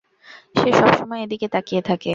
সে সবসময় এদিকে তাকিয়ে থাকে।